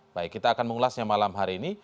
baik kita akan mengulasnya malam hari ini